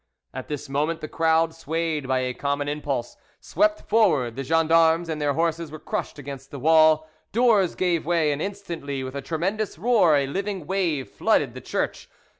At this moment the crowd, swayed by a common impulse, swept forward, the gens d'armes and their horses were crushed against the wall, doors gave way, and instantly with a tremendous roar a living wave flooded the church.